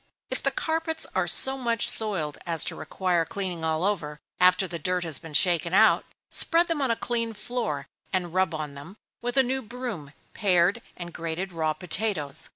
If the carpets are so much soiled as to require cleaning all over, after the dirt has been shaken out, spread them on a clean floor, and rub on them, with a new broom, pared and grated raw potatoes.